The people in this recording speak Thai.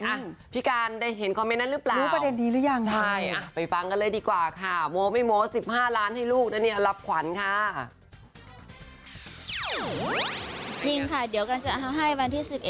อะพี่กัลวงได้เห็นคอมเม้นต์นั้นหรือเปล่า